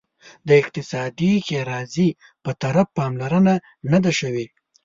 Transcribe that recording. د اقتصادي ښیرازي په طرف پاملرنه نه ده شوې.